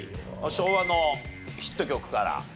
昭和のヒット曲から。